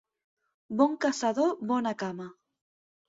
Bon caçador, bona cama.